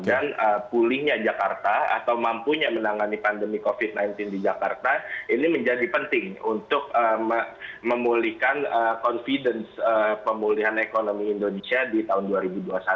dan pulihnya jakarta atau mampunya menangani pandemi covid sembilan belas di jakarta ini menjadi penting untuk memulihkan confidence pemulihan ekonomi indonesia di tahun dua ribu dua puluh satu ini